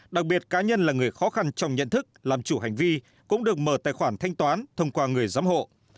đặc biệt cá nhân là người khó khăn trong nhận thức làm chủ hành vi cũng được mở tài khoản thanh toán thông qua người giám hộ